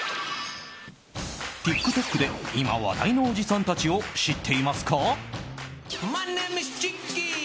ＴｉｋＴｏｋで今話題のおじさんたちを知っていますか？